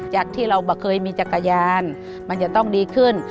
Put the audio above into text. จากที่เราเคยมีจักรยานมันจะต้องดีขึ้น